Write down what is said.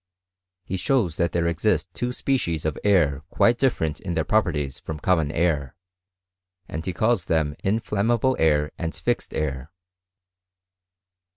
He shows that there exist two specie! of W air quite different in their properties from common ail ! 11' and he calls them inflammable air Andjixed air.